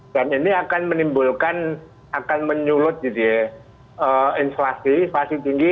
dan ini akan menimbulkan akan menyulut inflasi inflasi tinggi